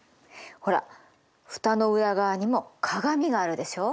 ほらフタの裏側にも鏡があるでしょう？